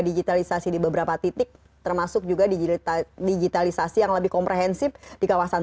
digitalisasi di beberapa titik termasuk juga digitalisasi yang lebih komprehensif di kawasan